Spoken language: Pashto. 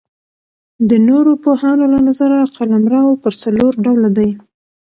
د نورو پوهانو له نظره قلمرو پر څلور ډوله دئ.